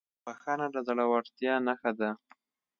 بښنه د زړهورتیا نښه ده.